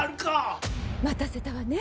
待たせたわね。